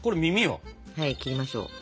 はい切りましょう。